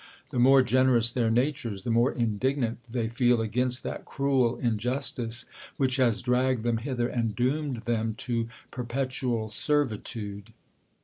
The more generous their natures, the more indignant they feel against that cruel injustice which has dragged them hither, and doomed them to perpet ual servitude.